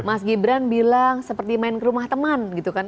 mas gibran bilang seperti main ke rumah teman